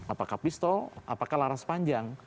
apakah pistol apakah laras panjang